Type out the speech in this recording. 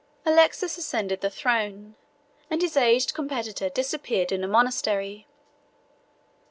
Alexius ascended the throne; and his aged competitor disappeared in a monastery.